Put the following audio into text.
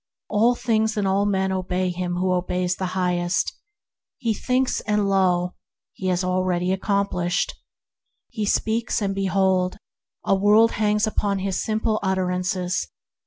All things and all men obey him who obeys the Highest. He thinks, and lo! he has already accom plished. He speaks, and behold! a world hangs upon his simple utterances.